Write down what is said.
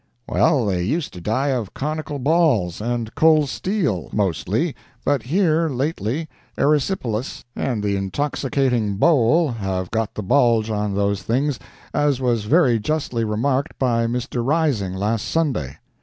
Well, they used to die of conical balls and cold steel, mostly, but here lately erysipelas and the intoxicating bowl have got the bulge on those things, as was very justly remarked by Mr. Rising last Sunday.